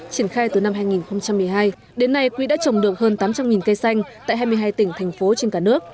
triển khai từ năm hai nghìn một mươi hai đến nay quỹ đã trồng được hơn tám trăm linh cây xanh tại hai mươi hai tỉnh thành phố trên cả nước